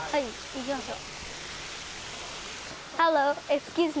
行きましょう。